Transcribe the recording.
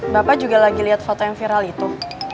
bapak juga lagi lihat foto yang viral itu